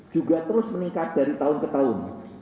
juga terus meningkat dari tahun ke tahun